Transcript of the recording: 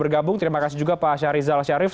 berkabung terima kasih juga pak syahrizal syarif